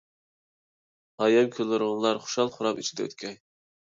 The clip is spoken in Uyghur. ئايەم كۈنلىرىڭلار خۇشال-خۇراملىق ئىچىدە ئۆتكەي!